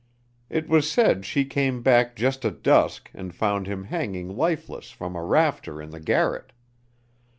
It was said she came back just at dusk and found him hanging lifeless from a rafter in the garret.